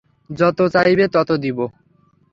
যত চাইবে তত দিব।